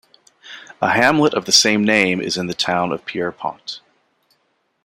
A hamlet of the same name is in the town of Pierrepont.